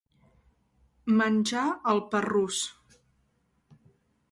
Menjar el parrús.